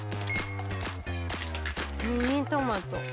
ミニトマト。